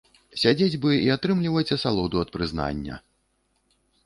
Сядзець бы і атрымліваць асалоду ад прызнання.